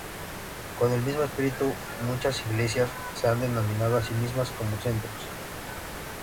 Con el mismo espíritu, muchas "iglesias" se han denominado a sí mismas como "centros".